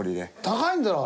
高いんだろ？